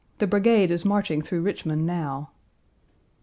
The brigade is marching through Richmond now."